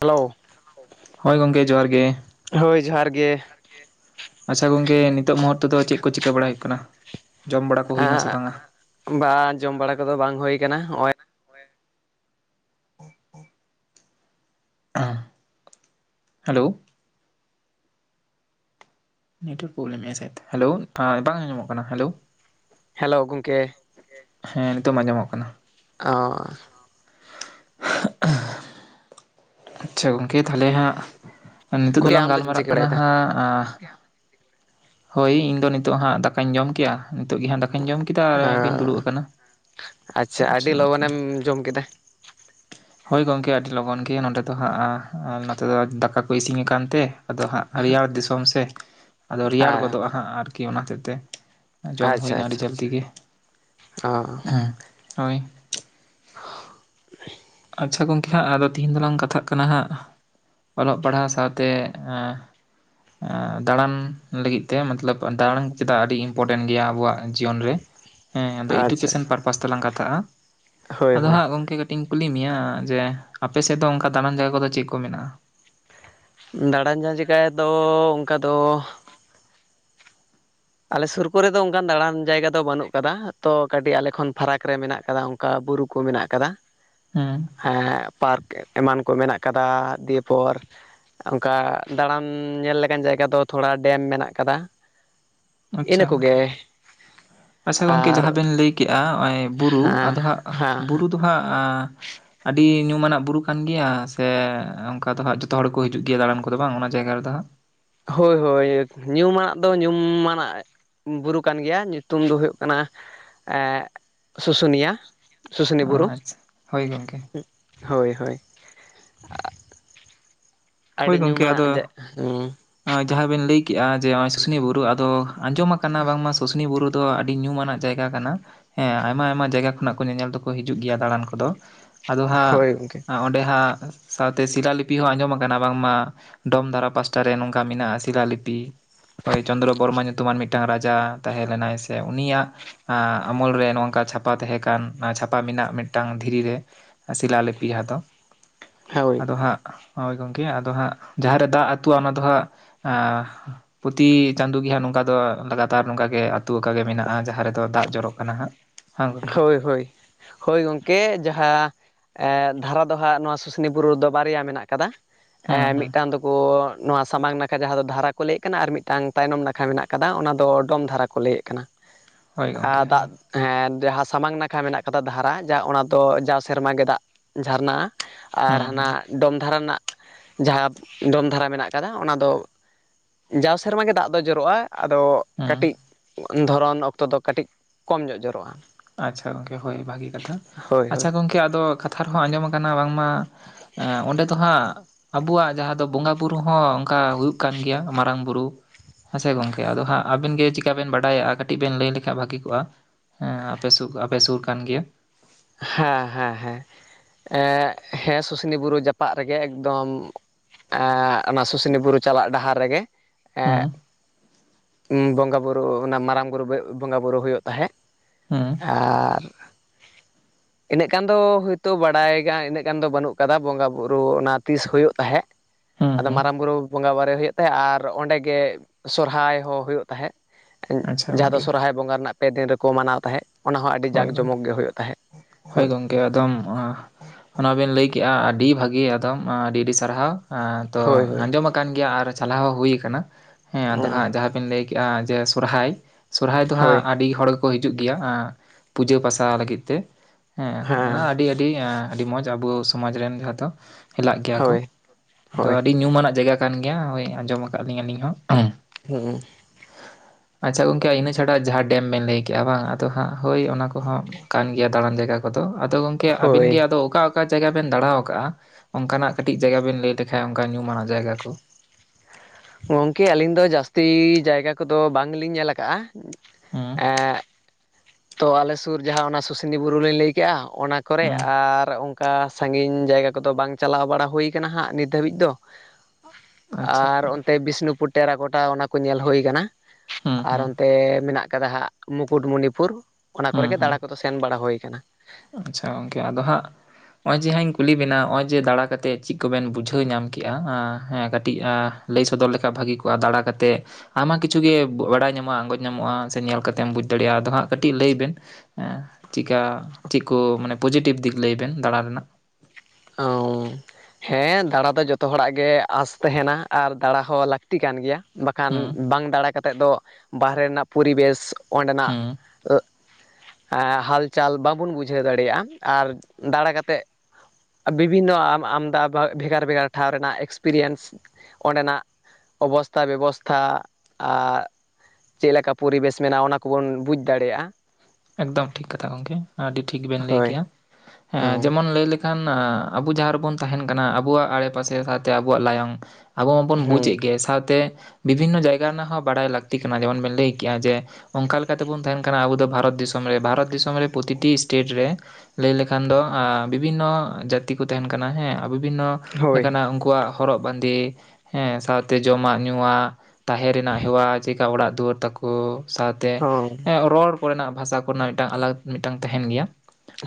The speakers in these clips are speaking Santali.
ᱦᱮᱞᱳ ᱦᱳᱭ ᱜᱚᱝᱠᱮ ᱡᱚᱦᱟᱨ ᱜᱮ ᱾ ᱦᱳᱭ ᱡᱚᱦᱟᱨ ᱜᱮ ᱟᱪᱪᱷᱟ ᱜᱚᱝᱠᱮ ᱱᱤᱛᱚᱜ ᱢᱩᱦᱩᱨᱛᱚ ᱫᱚ ᱪᱮᱫ ᱠᱚ ᱪᱤᱠᱟᱹ ᱵᱟᱲᱟ ᱦᱩᱭᱩᱜ ᱠᱟᱱᱟ? ᱡᱚᱢ ᱵᱟᱲᱟ ᱠᱚ ᱦᱩᱭᱱᱟ ᱥᱮ ᱵᱟᱝᱟ? ᱵᱟᱝ ᱡᱚᱢ ᱵᱟᱲᱟ ᱠᱚᱫᱚ ᱵᱟᱝ ᱦᱩᱭ ᱟᱠᱟᱱᱟ ᱱᱚᱜᱼᱚᱭ [inaudible] ᱦᱮᱞᱳ ᱱᱮᱴᱣᱟᱨᱠ ᱯᱨᱳᱵᱞᱮᱢ ᱮᱫᱟᱭ ᱥᱟᱭᱮᱫ ᱦᱮᱞᱳ ᱵᱟᱝ ᱟᱸᱡᱚᱢᱚᱜ ᱠᱟᱱᱟ ᱦᱮᱞᱳ᱾ ᱦᱮᱞᱳ ᱜᱚᱢᱠᱮ ᱦᱮᱸ ᱱᱤᱛᱚᱜ ᱢᱟ ᱟᱸᱡᱚᱢᱚᱜ ᱠᱟᱱᱟ᱾ ᱚᱸᱻ [inaudible] ᱟᱪᱪᱷᱟ ᱜᱚᱝᱠᱮ ᱛᱟᱦᱚᱞᱮ ᱦᱟᱸᱜ ᱱᱤᱛᱚᱜ ᱫᱚ ᱜᱚᱢᱠᱮ ᱞᱟᱝ ᱟᱢ ᱪᱮᱫ ᱮᱢ ᱪᱤᱠᱟᱹ ᱜᱟᱞᱢᱟᱨᱟᱜ ᱠᱟᱱᱟ ᱵᱟᱲᱟᱭᱮᱫᱟ ᱦᱟᱸᱜ ᱦᱳᱭ ᱤᱧ ᱫᱚ ᱱᱤᱛᱚᱜ ᱦᱟᱸᱜ ᱫᱟᱠᱟᱧ ᱡᱚᱢ ᱠᱮᱭᱟ ᱱᱤᱛᱚᱜ ᱜᱮ ᱦᱟᱸᱜ ᱫᱟᱠᱟᱧ ᱡᱚᱢ ᱠᱮᱫᱟ ᱟᱨ ᱚᱱᱠᱟᱧ ᱫᱩᱲᱩᱵ ᱟᱠᱟᱱᱟ᱾ ᱟᱪᱪᱷᱟ ᱟᱹᱰᱤ ᱞᱚᱜᱚᱱ ᱮᱢ ᱡᱚᱢ ᱠᱮᱫᱟ? [inaudible] ᱦᱳᱭ ᱜᱚᱢᱠᱮ ᱟᱹᱰᱤ ᱞᱚᱜᱚᱱ ᱜᱮ ᱱᱚᱸᱰᱮ ᱫᱚ ᱦᱟᱸᱜᱼᱟ ᱟᱨ ᱱᱚᱛᱮ ᱫᱚ ᱫᱟᱠᱟ ᱠᱚ ᱤᱥᱤᱱ ᱟᱠᱟᱱ ᱛᱮ ᱾ ᱟᱫᱚ ᱦᱟᱸᱜ ᱨᱮᱭᱟᱲ ᱫᱤᱥᱚᱢ ᱥᱮ ᱟᱫᱚ ᱨᱮᱭᱟᱲ ᱜᱚᱫᱚᱜᱼᱟ ᱟᱪᱪᱷᱟ ᱟᱨᱠᱤ ᱚᱱᱟ ᱦᱚᱛᱮᱡ ᱛᱮ ᱡᱚᱢ ᱦᱩᱭᱱᱟ ᱟᱹᱰᱤ ᱟᱪᱪᱷᱟ ᱟᱪᱪᱷᱟ ᱡᱚᱞᱫᱤ ᱜᱮ ᱚ ᱦᱮᱸ ᱦᱳᱭ [inaudible] ᱟᱪᱪᱷᱟ ᱜᱚᱝᱠᱮ ᱦᱟᱸᱜ ᱟᱫᱚ ᱛᱤᱦᱤᱧ ᱫᱚ ᱞᱟᱝ ᱠᱟᱛᱷᱟᱜ ᱠᱟᱱᱟ ᱦᱟᱸᱜ ᱚᱞᱚᱜ ᱯᱟᱲᱦᱟᱣ ᱥᱟᱶᱛᱮ ᱫᱟᱬᱟᱱ ᱞᱟᱹᱜᱤᱫ ᱛᱮ ᱾ ᱢᱚᱛᱞᱚᱵ ᱫᱟᱬᱟᱱ ᱪᱮᱫᱟᱜ ᱟᱹᱰᱤ ᱤᱢᱯᱚᱴᱮᱱ ᱜᱮᱭᱟ ᱟᱵᱚᱣᱟᱜ ᱡᱤᱭᱚᱱ ᱨᱮ? ᱦᱮᱸ ᱟᱫᱚ ᱟᱪᱪᱷᱟ ᱮᱰᱩᱠᱮᱥᱚᱱ ᱟᱪᱪᱷᱟ ᱯᱟᱨᱯᱟᱥ ᱛᱮᱞᱟᱝ ᱠᱟᱛᱷᱟᱜᱼᱟ ᱦᱳᱭ ᱟᱫᱚ ᱦᱳᱭ ᱦᱟᱸᱜ ᱜᱚᱝᱠᱮ [unintelligible] ᱠᱩᱞᱤ ᱢᱮᱭᱟ ᱡᱮ ᱟᱯᱮ ᱥᱮᱫ ᱫᱚ ᱚᱱᱠᱟ ᱫᱟᱬᱟᱱ ᱡᱟᱭᱜᱟ ᱠᱚᱫᱚ ᱪᱮᱫ ᱠᱚ ᱢᱮᱱᱟᱜᱼᱟ? ᱫᱟᱬᱟᱱ [unintelligible] ᱫᱚᱻ ᱚᱱᱠᱟ ᱫᱚᱻ ᱟᱞᱮ ᱥᱩᱨ ᱠᱚᱨᱮ ᱫᱚ ᱚᱱᱠᱟᱱ ᱫᱟᱬᱟᱱ ᱡᱟᱭᱜᱟ ᱫᱚ ᱵᱟᱹᱱᱩᱜ ᱟᱠᱟᱫᱟ᱾ ᱛᱚ ᱠᱟᱹᱴᱤᱡ ᱟᱞᱮ ᱠᱷᱚᱱ ᱯᱷᱟᱨᱟᱠ ᱨᱮ ᱢᱮᱱᱟᱜ ᱟᱠᱟᱫᱟ᱾ ᱚᱱᱠᱟ ᱵᱩᱨᱩ ᱠᱚ ᱢᱮᱱᱟᱜ ᱟᱠᱟᱫᱟ᱾ ᱦᱮᱸ ᱦᱮ ᱯᱟᱨᱠ ᱮᱢᱟᱱ ᱠᱚ ᱢᱮᱱᱟᱜ ᱟᱠᱟᱫᱟ ᱫᱤᱭᱮ ᱯᱚᱨ ᱚᱱᱠᱟ ᱫᱟᱬᱟᱱ ᱧᱮᱞ ᱞᱮᱠᱟᱱ ᱡᱟᱭᱜᱟ ᱫᱚ ᱛᱷᱚᱲᱟ ᱰᱮᱢ ᱢᱮᱱᱟᱜ ᱟᱠᱟᱫᱟ᱾ ᱟᱪᱪᱷᱟ ᱤᱱᱟᱹ ᱜᱚᱝᱠᱮ ᱠᱚᱜᱮ ᱟᱪᱪᱷᱟ ᱜᱚᱝᱠᱮ ᱟᱨ ᱡᱟᱦᱟᱸ ᱵᱮᱱ ᱞᱟᱹᱭ ᱠᱮᱜᱼᱟ ᱱᱚᱜᱼᱚᱭ ᱵᱩᱨᱩ ᱦᱮᱸ ᱟᱫᱚ ᱦᱟᱸᱜ ᱦᱮᱸ ᱵᱩᱨᱩ ᱫᱚ ᱦᱟᱸᱜ ᱟᱹᱰᱤ ᱧᱩᱢᱟᱱᱟᱜ ᱵᱩᱨᱩ ᱠᱟᱱ ᱜᱮᱭᱟ ᱥᱮ ᱚᱱᱠᱟ ᱫᱚ ᱦᱟᱸᱜ ᱡᱚᱛᱚ ᱦᱚᱲ ᱠᱚ ᱦᱤᱡᱩᱜ ᱜᱮᱭᱟ ᱫᱟᱬᱟᱱ ᱠᱚᱫᱚ ᱵᱟᱝ ᱚᱱᱟ ᱡᱟᱭᱜᱟ ᱨᱮᱫᱚ ᱦᱟᱸᱜ ᱦᱳᱭ ᱦᱳᱭ ᱧᱩᱢᱟᱜ ᱫᱚ ᱧᱩᱢᱟᱱᱟᱜ ᱵᱩᱨᱩ ᱠᱟᱱ ᱜᱮᱭᱟ ᱧᱩᱛᱩᱢ ᱫᱚ ᱦᱩᱭᱩᱜ ᱠᱟᱱᱟ ᱥᱩᱥᱩᱱᱤᱭᱟ ᱥᱩᱥᱩᱱᱤ ᱵᱩᱨᱩ ᱟᱪᱪᱷᱟ ᱦᱳᱭ ᱜᱚᱝᱠᱮ ᱦᱳᱭ ᱦᱳᱭ ᱦᱳᱭ ᱟᱹᱰᱤ ᱜᱚᱢᱠᱮ ᱧᱩᱢᱟᱱᱟᱜ ᱟᱫᱚ ᱡᱮ ᱡᱟᱦᱟᱸ ᱵᱤᱱ ᱞᱟᱹᱭ ᱠᱮᱜᱼᱟ ᱡᱮ ᱱᱚᱜᱼᱚᱭ ᱥᱩᱥᱩᱱᱤ ᱵᱩᱨᱩ ᱟᱫᱚ ᱟᱸᱡᱚᱢ ᱟᱠᱟᱱᱟ ᱵᱟᱝᱢᱟ ᱥᱩᱥᱱᱤ ᱵᱩᱨᱩ ᱫᱚ ᱟᱹᱰᱤ ᱧᱩᱢᱟᱱᱟᱜ ᱡᱟᱭᱜᱟ ᱠᱟᱱᱟ ᱾ ᱦᱮᱸ ᱟᱭᱢᱟ ᱟᱭᱢᱟ ᱡᱟᱭᱜᱟ ᱠᱷᱚᱱᱟᱜ ᱠᱚ ᱧᱮᱧᱮᱞ ᱫᱚᱠᱚ ᱦᱤᱡᱩᱜ ᱜᱮᱭᱟ ᱫᱟᱬᱟᱱ ᱠᱚᱫᱚ ᱾ ᱟᱫᱚ ᱦᱟᱸᱜ ᱦᱳᱭ ᱜᱚᱢᱠᱮ ᱚᱸᱰᱮ ᱦᱟᱸᱜ ᱥᱟᱶᱛᱮ ᱥᱤᱞᱟ ᱞᱤᱯᱤ ᱦᱚᱸ ᱟᱸᱡᱚᱢ ᱟᱠᱟᱼᱼ ᱠᱟᱱᱟ ᱵᱟᱝᱢᱟ ᱰᱚᱢ ᱫᱷᱟᱨᱟ ᱯᱟᱥᱴᱟ ᱨᱮ ᱱᱚᱝᱠᱟ ᱢᱮᱱᱟᱜᱼᱟ ᱥᱤᱞᱟ ᱞᱤᱯᱤ ᱦᱳᱭ ᱪᱚᱱᱫᱨᱚ ᱵᱚᱨᱢᱟ ᱧᱩᱛᱩᱢᱟᱱ ᱢᱤᱫᱴᱟᱝ ᱨᱟᱡᱟ ᱛᱟᱦᱮᱸ ᱞᱮᱱᱟᱭ ᱥᱮ ᱩᱱᱤᱭᱟᱜ ᱟᱢᱚᱞ ᱨᱮ ᱱᱚᱝᱠᱟ ᱪᱷᱟᱯᱟ ᱛᱟᱦᱮᱸ ᱠᱟᱱ ᱪᱷᱟᱯᱟ ᱢᱮᱱᱟᱜ ᱢᱤᱫᱴᱟᱝ ᱫᱷᱤᱨᱤ ᱨᱮ ᱾ ᱥᱤᱞᱟ ᱞᱤᱯᱤ ᱡᱟᱦᱟᱸᱫᱚ ᱦᱳᱭ ᱟᱫᱚ ᱦᱟᱸᱜ ᱦᱳᱭ ᱜᱚᱝᱠᱮ ᱟᱫᱚ ᱦᱟᱸᱜ ᱡᱟᱦᱟᱸ ᱨᱮ ᱫᱟᱜ ᱟᱹᱛᱩᱜᱟ ᱚᱱᱟ ᱫᱚ ᱦᱟᱸᱜ ᱮᱸ ᱯᱨᱚᱛᱤ ᱪᱟᱸᱫᱳ ᱜᱮ ᱦᱟᱸᱜ ᱱᱚᱝᱠᱟ ᱫᱚ ᱞᱟᱜᱟᱛᱟᱨ ᱱᱚᱝᱠᱟ ᱜᱮ ᱟᱹᱛᱩ ᱚᱠᱟ ᱜᱮ ᱢᱮᱱᱟᱜᱼᱟ ᱡᱟᱦᱟᱸ ᱨᱮᱫᱚ ᱫᱟᱜ ᱡᱚᱨᱚᱜ ᱠᱟᱱᱟ ᱦᱟᱸᱜ ᱦᱮᱸ ᱜᱚᱝᱠᱮ ᱦᱳᱭ ᱦᱳᱭ ᱦᱳᱭ ᱜᱚᱢᱠᱮ ᱡᱟᱦᱟᱸ ᱫᱷᱟᱨᱟ ᱫᱚ ᱦᱟᱸᱜ ᱱᱚᱣᱟ ᱥᱩᱥᱱᱤ ᱵᱩᱨᱩ ᱨᱮᱫᱚ ᱵᱟᱨᱭᱟ ᱢᱮᱱᱟᱜ ᱟᱠᱟᱫᱟ ᱾ ᱦᱩᱸ ᱮᱸᱻ ᱢᱤᱫᱴᱟᱝ ᱫᱚ [inaudible] ᱱᱚᱣᱟ ᱥᱟᱢᱟᱝ ᱱᱟᱠᱷᱟ ᱡᱟᱦᱟᱸ ᱫᱚ ᱫᱷᱟᱨᱟ ᱠᱚ ᱞᱟᱹᱭᱮᱫ ᱠᱟᱱᱟ ᱟᱨ ᱢᱤᱫᱴᱟᱝ ᱛᱟᱭᱱᱚᱢ ᱱᱟᱠᱷᱟ ᱢᱮᱱᱟᱜ ᱟᱠᱟᱫᱟ ᱚᱱᱟ ᱫᱚ ᱰᱚᱢ ᱫᱷᱟᱨᱟ ᱠᱚ ᱞᱟᱹᱭᱮᱫ ᱠᱟᱱᱟ ᱦᱳᱭ ᱾ ᱜᱚᱝᱠᱮ ᱟᱨ ᱫᱟᱜ ᱮᱠᱫᱚᱢ ᱦᱮᱸ ᱡᱟᱦᱟᱸ ᱥᱟᱢᱟᱝ ᱱᱟᱠᱷᱟ ᱢᱮᱱᱟᱜ ᱠᱟᱫᱟ ᱫᱷᱟᱨᱟ ᱡᱟᱦᱟᱸ ᱚᱱᱟ ᱫᱚ ᱡᱟᱣ ᱥᱮᱨᱢᱟ ᱜᱮ ᱫᱟᱜ ᱡᱷᱟᱨᱱᱟᱼᱟ᱾ ᱟᱨ ᱦᱩᱸ ᱦᱟᱱᱟ ᱦᱩᱸ ᱰᱚᱢ ᱫᱷᱟᱨᱟ ᱱᱟᱜ ᱡᱟᱦᱟᱸ ᱰᱚᱢ ᱫᱷᱟᱨᱟ ᱢᱮᱱᱟᱜ ᱠᱟᱫᱟ ᱚᱱᱟ ᱫᱚ ᱡᱟᱣ ᱥᱮᱨᱢᱟ ᱜᱮ ᱫᱟᱜ ᱫᱚ ᱡᱚᱨᱚᱜᱼᱟ, ᱟᱫᱚ ᱦᱩᱸ ᱠᱟᱹᱴᱤᱡ ᱫᱷᱚᱨᱚᱱ ᱚᱠᱛᱚ ᱫᱚ ᱠᱟᱹᱴᱤᱡ ᱠᱚᱢ ᱧᱚᱜ ᱡᱚᱨᱚᱜᱼᱟ᱾ ᱟᱪᱪᱷᱟ ᱜᱚᱝᱠᱮ ᱦᱳᱭ ᱵᱷᱟᱹᱜᱤ ᱠᱟᱛᱷᱟ, ᱦᱳᱭ ᱦᱳᱭ ᱟᱪᱪᱷᱟ ᱜᱚᱝᱠᱮ ᱟᱫᱚ ᱠᱟᱛᱷᱟ ᱨᱮᱦᱚᱸ ᱟᱸᱡᱚᱢ ᱠᱟᱱᱟ ᱵᱟᱝᱢᱟ ᱚᱸᱰᱮ ᱫᱚ ᱦᱟᱸᱜ ᱟᱵᱚᱣᱟᱜ ᱡᱟᱦᱟᱸ ᱫᱚ ᱵᱚᱸᱜᱟ ᱵᱩᱨᱩ ᱦᱚᱸ ᱚᱱᱠᱟ ᱦᱩᱭᱩᱜ ᱠᱟᱱ ᱜᱮᱭᱟ ᱢᱟᱨᱟᱝ ᱵᱩᱨᱩ᱾ ᱦᱮᱸ ᱥᱮ ᱜᱚᱝᱠᱮ ᱟᱫᱚ ᱦᱟᱸᱜ ᱟᱵᱤᱱ ᱜᱮ ᱪᱤᱠᱟᱹ ᱵᱮᱱ ᱵᱟᱰᱟᱭᱟ ᱠᱟᱹᱴᱤᱡ ᱵᱮᱱ ᱞᱟᱹᱭ ᱞᱮᱠᱷᱟᱜ ᱵᱷᱟᱹᱜᱤ ᱠᱚᱜᱼᱟ? ᱟᱯᱮ ᱥᱩᱨ ᱟᱯᱮ ᱥᱩᱨ ᱠᱟᱱ ᱜᱮᱭᱟ? ᱦᱮᱸᱻᱦᱮᱸᱻᱦᱮᱸᱻ᱾ ᱦᱮᱸ ᱥᱩᱥᱱᱤ ᱵᱩᱨᱩ ᱡᱟᱯᱟᱜ ᱨᱮᱜᱮ ᱮᱠᱫᱚᱢ᱾ ᱚᱱᱟ ᱥᱩᱥᱱᱤ ᱵᱩᱨᱩ ᱪᱟᱞᱟᱜ ᱰᱟᱦᱟᱨ ᱨᱮᱜᱮ ᱮᱸᱻ ᱦᱩᱸ ᱵᱚᱸᱜᱟ ᱵᱩᱨᱩ ᱚᱱᱟ ᱢᱟᱨᱟᱝ ᱵᱩᱨᱩ ᱵᱚᱸᱜᱟ ᱵᱩᱨᱩ ᱦᱳᱭᱳᱜ ᱛᱟᱦᱮᱸᱜ, ᱦᱩᱸ ᱟᱨ ᱤᱱᱟᱹᱜ ᱜᱟᱱ ᱫᱚ ᱦᱚᱭᱛᱚ ᱵᱟᱲᱟᱭ ᱠᱟᱜᱼᱟ, ᱤᱱᱟᱹᱜ ᱜᱟᱱ ᱫᱚ ᱵᱟᱹᱱᱩᱜ ᱠᱟᱫᱟ ᱵᱚᱸᱜᱟ ᱵᱩᱨᱩ ᱚᱱᱟ ᱛᱤᱥ ᱦᱳᱭᱜ ᱛᱟᱦᱮᱸᱜ ᱦᱩᱸ ᱟᱫᱚ ᱦᱩᱸ ᱢᱟᱨᱟᱝ ᱵᱩᱨᱩ ᱵᱚᱸᱜᱟ ᱵᱟᱨᱮ ᱦᱩᱭᱩᱜ ᱛᱟᱦᱮᱸᱜ, ᱟᱨ ᱚᱸᱰᱮ ᱜᱮ ᱥᱚᱨᱦᱟᱭ ᱦᱚᱸ ᱦᱩᱭᱩᱜ ᱛᱟᱦᱮᱸᱜ᱾ ᱟᱪᱪᱷᱟ ᱡᱟᱦᱟᱸ ᱫᱚ ᱜᱚᱝᱠᱮ ᱥᱚᱨᱦᱟᱭ ᱵᱚᱸᱜᱟ ᱨᱮᱱᱟᱜ ᱯᱮ ᱫᱤᱱ ᱨᱮᱠᱚ ᱢᱟᱱᱟᱣ ᱛᱟᱦᱮᱸᱜ, ᱚᱱᱟ ᱦᱚᱸ ᱟᱹᱰᱤ ᱡᱟᱸᱠ ᱦᱳᱭ ᱜᱚᱝᱠᱮ ᱡᱚᱢᱚᱠ ᱜᱮ ᱦᱩᱭᱩᱜ ᱛᱟᱦᱮᱸᱜ᱾ ᱦᱳᱭ ᱜᱚᱢᱠᱮ ᱮᱠᱫᱚᱢ ᱚᱱᱟᱵᱤᱱ ᱞᱟᱹᱭ ᱠᱮᱜᱼᱟ ᱟᱹᱰᱤ ᱵᱷᱟᱹᱜᱤ, ᱮᱠᱫᱚᱢ ᱟᱹᱰᱤ ᱟᱹᱰᱤ ᱥᱟᱨᱦᱟᱣ᱾ ᱮᱸ ᱛᱚ ᱦᱳᱭ ᱦᱳᱭ ᱟᱸᱡᱚᱢ ᱟᱠᱟᱱ ᱜᱮᱭᱟ ᱟᱨ ᱪᱟᱞᱟᱣ ᱦᱚᱸ ᱦᱩᱭ ᱠᱟᱱᱟ, ᱦᱮᱸ ᱟᱫᱚ ᱦᱟᱸᱜ ᱡᱟᱦᱟᱸ ᱵᱤᱱ ᱞᱟᱹᱭ ᱡᱮ ᱥᱚᱨᱦᱟᱭ ᱥᱚᱨᱦᱟᱭ ᱫᱚ ᱦᱟᱸᱜ ᱦᱳᱭ ᱟᱹᱰᱤ ᱦᱚᱲ ᱜᱮᱠᱚ ᱦᱤᱡᱩᱜ ᱜᱮᱭᱟ ᱯᱩᱡᱟᱹ ᱯᱟᱥᱟ ᱞᱟᱹᱜᱤᱫ ᱛᱮ, ᱦᱮᱸ ᱚᱱᱟ ᱟᱹᱰᱤ ᱟᱹᱰᱤ ᱟᱹᱰᱤ ᱢᱚᱡᱽ ᱟᱵᱚ ᱥᱚᱢᱟᱡᱽ ᱨᱮᱱ, ᱡᱟᱦᱟᱸ ᱫᱚ ᱦᱮᱞᱟᱜ ᱜᱮᱭᱟ ᱠᱚ ᱦᱳᱭ ᱟᱫᱚ ᱦᱳᱭ ᱟᱹᱰᱤ ᱧᱩᱢᱟᱱᱟᱜ ᱡᱟᱭᱜᱟ ᱠᱟᱱ ᱜᱮᱭᱟ, ᱦᱳᱭ ᱟᱸᱡᱚᱢ ᱟᱠᱟᱫ ᱞᱤᱧ ᱟᱹᱞᱤᱧ ᱦᱚᱸ᱾ ᱦᱩᱸ ᱟᱪᱪᱷᱟ ᱜᱚᱝᱠᱮ ᱤᱱᱟᱹ ᱪᱷᱟᱰᱟ ᱡᱟᱦᱟᱸ ᱰᱮᱢ ᱵᱮᱱ ᱞᱟᱹᱭ ᱠᱮᱫᱼᱟ, ᱵᱟᱝ ᱟᱫᱚ ᱦᱟᱸᱜ ᱦᱳᱭ ᱚᱱᱟ ᱠᱚᱦᱚᱸ ᱠᱟᱱ ᱜᱮᱭᱟ ᱫᱟᱬᱟᱱ ᱡᱟᱭᱜᱟ ᱠᱚᱫᱚ, ᱟᱫᱚ ᱜᱚᱢᱠᱮ ᱟᱵᱤᱱ ᱦᱳᱭ ᱜᱮ ᱟᱫᱚ ᱚᱠᱟ? ᱚᱠᱟ ᱡᱟᱭᱜᱟ ᱵᱮᱱ ᱫᱟᱲᱟ ᱠᱟᱜᱼᱟ, ᱚᱱᱠᱟᱱᱟᱜ ᱠᱟᱹᱴᱤᱡ ᱡᱟᱭᱜᱟ ᱵᱮᱱ ᱞᱟᱹᱭ ᱞᱮᱠᱷᱟᱡ, ᱚᱱᱠᱟ ᱧᱩᱢᱟᱱᱟᱜ ᱡᱟᱭᱜᱟ ᱠᱚ? ᱜᱚᱝᱠᱮ ᱟᱹᱞᱤᱧ ᱫᱚ ᱡᱟᱹᱥᱛᱤ ᱡᱟᱭᱜᱟ ᱠᱚᱫᱚ ᱵᱟᱝ ᱞᱤᱧ ᱧᱮᱞ ᱠᱟᱜᱼᱟ᱾ᱮᱸ ᱦᱩᱸ ᱛᱚ ᱟᱞᱮ ᱥᱩᱨ ᱡᱟᱦᱟᱸ ᱚᱱᱟ ᱥᱩᱥᱱᱤ ᱵᱩᱨᱩ ᱞᱤᱧ ᱞᱟᱹᱭ ᱠᱮᱜᱼᱟ ᱚᱱᱟ ᱠᱚᱨᱮ ᱦᱩᱸ ᱟᱨ ᱚᱱᱠᱟ ᱥᱟᱺᱜᱤᱧ ᱡᱟᱭᱜᱟ ᱠᱚᱫᱚ ᱵᱟᱝ ᱪᱟᱞᱟᱣ ᱵᱟᱲᱟ ᱦᱩᱭ ᱠᱟᱱᱟ, ᱦᱟᱸᱜ ᱱᱤᱛ ᱫᱷᱟᱹᱵᱤᱡ ᱫᱚ᱾ [inaudible] ᱟᱪᱪᱷᱟ ᱟᱨ ᱜᱚᱝᱠᱮ ᱚᱱᱛᱮ ᱵᱤᱥᱱᱩᱯᱩᱨ ᱴᱮᱨᱟ ᱠᱳᱴᱟ ᱚᱱᱟ ᱠᱚ ᱧᱮᱞ ᱦᱩᱭ ᱠᱟᱱᱟ᱾ ᱦᱩᱸ ᱟᱨ ᱦᱩᱸ ᱚᱱᱛᱮ ᱢᱮᱱᱟᱜ ᱠᱟᱫᱟ ᱦᱟᱸᱜ ᱢᱩᱠᱩᱴᱢᱚᱱᱤᱯᱩᱨ᱾ ᱚᱱᱟ ᱠᱚᱨᱮ ᱦᱩᱸ ᱜᱮ ᱦᱩᱸ ᱫᱟᱬᱟ ᱠᱚᱫᱚ ᱥᱮᱱ ᱵᱟᱲᱟ ᱦᱳᱭ ᱠᱟᱱᱟ ᱾ ᱟᱪᱪᱷᱟ ᱜᱚᱝᱠᱮ ᱟᱫᱚ ᱦᱟᱸᱜ ᱦᱚᱜᱼᱚᱭ ᱡᱮ ᱦᱟᱸ ᱤᱧ ᱠᱩᱞᱤ ᱵᱤᱱᱟ ᱦᱚᱜᱼᱚᱭ ᱡᱮ ᱫᱟᱬᱟ ᱠᱟᱛᱮᱜ ᱪᱮᱜ ᱠᱚᱵᱤᱱ ᱵᱩᱡᱷᱟᱹᱣ ᱧᱟᱢ ᱠᱮᱜᱼᱟ? ᱦᱮᱸ ᱠᱟᱹᱴᱤᱡ ᱞᱟᱹᱭ ᱥᱚᱫᱚᱨ ᱞᱮᱠᱷᱟᱜ ᱵᱷᱟᱹᱜᱤ ᱠᱚᱜᱼᱟ ᱫᱟᱬᱟ ᱠᱟᱛᱮᱜ? ᱟᱭᱢᱟ ᱠᱤᱪᱷᱩ ᱜᱮ ᱵᱟᱲᱟᱭ ᱧᱟᱢᱚᱜᱼᱟ, ᱟᱸᱜᱚᱡ ᱧᱟᱢᱚᱜᱼᱟ, ᱥᱮ ᱧᱮᱞ ᱠᱟᱛᱮᱢ ᱵᱩᱡᱽ ᱫᱟᱲᱮᱭᱟᱜᱼᱟ ᱟᱫᱚ ᱦᱟᱸᱜ ᱠᱟᱹᱴᱤᱡ ᱞᱟᱹᱭ ᱵᱤᱱ? ᱦᱮᱸ ᱪᱤᱜᱠᱟ ᱪᱮᱜ ᱠᱚ ᱢᱟᱱᱮ ᱯᱚᱡᱮᱴᱤᱵᱷ ᱫᱤᱠ ᱞᱟᱹᱭ ᱵᱮᱱ ᱫᱟᱬᱟ ᱨᱮᱱᱟᱜ? ᱚᱸᱻ᱾ ᱦᱮᱸ ᱫᱟᱬᱟ ᱫᱚ ᱡᱚᱛᱚ ᱦᱚᱲᱟᱜ ᱜᱮ ᱟᱥ ᱛᱟᱦᱮᱸᱱᱟ, ᱟᱨ ᱫᱟᱬᱟ ᱦᱚᱸ ᱞᱟᱹᱠᱛᱤ ᱠᱟᱱ ᱜᱮᱭᱟ᱾ ᱵᱟᱠᱷᱟᱱ ᱦᱩᱸ ᱵᱟᱝ ᱫᱟᱬᱟ ᱠᱟᱛᱮᱜ ᱫᱚ ᱵᱟᱦᱟᱨᱮ ᱨᱮᱱᱟᱜ ᱯᱚᱨᱤᱵᱮᱥ ᱚᱸᱰᱮᱱᱟᱜ ᱦᱩᱸ ᱦᱟᱞᱪᱟᱞ ᱵᱟᱵᱚᱱ ᱵᱩᱡᱷᱟᱹᱣ ᱫᱟᱲᱮᱭᱟᱜᱼᱟ, ᱟᱨ ᱫᱟᱲᱟ ᱠᱟᱛᱮᱜ ᱵᱤᱵᱷᱤᱱᱱᱚ ᱟᱢᱫᱟ ᱵᱷᱮᱜᱟᱨ ᱵᱷᱮᱜᱟᱨ ᱴᱷᱟᱶ ᱨᱮᱱᱟᱜ ᱮᱠᱥᱯᱮᱨᱤᱭᱮᱱᱥ ᱚᱸᱰᱮᱱᱟᱜ ᱚᱵᱚᱥᱛᱟ ᱵᱮᱵᱚᱥᱛᱷᱟ ᱟᱨ ᱪᱮᱜ ᱞᱮᱠᱟ ᱯᱚᱨᱤᱵᱮᱥ ᱢᱮᱱᱟᱜᱼᱟ, ᱚᱱᱟ ᱠᱚᱵᱚᱱ ᱵᱩᱡᱽ ᱫᱟᱲᱮᱭᱟᱜᱼᱟ᱾ ᱮᱠᱫᱚᱢ ᱴᱷᱤᱠ ᱠᱟᱛᱷᱟ ᱜᱚᱝᱠᱮ ᱟᱹᱰᱤ ᱴᱷᱤᱠ ᱵᱮᱱ ᱞᱟᱹᱭ ᱦᱳᱭ ᱠᱮᱜᱼᱟ, ᱦᱮᱸ ᱦᱚᱸ ᱡᱮᱢᱚᱱ ᱞᱟᱹᱭ ᱞᱮ ᱠᱷᱟᱱ ᱟᱵᱚ ᱡᱟᱦᱟᱸ ᱨᱮᱵᱚᱱ ᱛᱟᱦᱮᱸᱱ ᱠᱟᱱᱟ, ᱟᱵᱚᱣᱟᱜ ᱟᱲᱮ ᱯᱟᱥᱮ ᱥᱟᱶᱛᱮ ᱟᱵᱚᱣᱟᱜ ᱞᱟᱭᱚᱝ ᱟᱵᱚ ᱢᱟᱵᱚᱱ ᱵᱩᱡ ᱦᱩᱸ ᱮᱜ ᱜᱮ ᱥᱟᱶᱛᱮ ᱵᱤᱵᱷᱤᱱᱚ ᱡᱟᱭᱜᱟ ᱨᱮᱱᱟᱜ ᱦᱚᱸ ᱵᱟᱰᱟᱭ ᱞᱟᱹᱠᱛᱤ ᱠᱟᱱᱟ ᱾ ᱡᱮᱢᱚᱱ ᱵᱮᱱ ᱞᱟᱹᱭ ᱠᱮᱜᱼᱟ ᱡᱮ, ᱚᱱᱠᱟ ᱞᱮᱠᱟᱛᱮᱵᱚᱱ ᱛᱟᱦᱮᱱ ᱠᱟᱱᱟ ᱟᱵᱚ ᱫᱚ ᱵᱷᱟᱨᱚᱛ ᱵᱷᱟᱨᱚᱛ ᱫᱤᱥᱚᱢ ᱨᱮ ᱵᱷᱟᱨᱚᱛ ᱫᱤᱥᱚᱢ ᱨᱮ ᱯᱨᱚᱛᱤᱴᱤ ᱥᱴᱮᱴ ᱨᱮ ᱞᱟᱹᱭ ᱞᱮᱠᱷᱟᱱ ᱫᱚ ᱵᱤᱵᱷᱤᱱᱱᱚ ᱡᱟᱹᱛᱤ ᱠᱚ ᱛᱟᱦᱮᱱ ᱠᱟᱱᱟ ᱦᱮᱸ ᱵᱤᱵᱷᱤᱱᱱᱚ ᱦᱳᱭ ᱞᱮᱠᱟᱱᱟᱜ ᱩᱱᱠᱩᱣᱟᱜ ᱦᱚᱨᱚᱜ ᱵᱟᱸᱫᱮ ᱦᱮᱸ ᱥᱟᱶᱛᱮ ᱡᱚᱢᱟᱜ ᱧᱩ ᱟᱜ ᱛᱟᱦᱮᱸ ᱨᱮᱱᱟᱜ ᱦᱮᱣᱟ ᱪᱮᱠᱟ ᱚᱲᱟᱜ ᱫᱩᱣᱟᱹᱨ ᱛᱟᱠᱚ ᱥᱟᱶᱛᱮ ᱦᱚᱸ ᱨᱚᱲ ᱠᱚᱨᱮᱱᱟᱜ ᱵᱷᱟᱥᱟ ᱠᱚᱨᱮᱱᱟᱜ ᱢᱤᱫᱴᱟᱝ ᱟᱞᱟᱜᱽ ᱢᱤᱫᱴᱟᱝ ᱛᱟᱦᱮᱱ ᱜᱮᱭᱟ